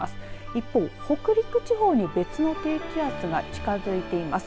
一方、北陸地方に別の低気圧が近づいています。